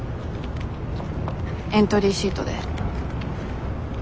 エントリーシートで。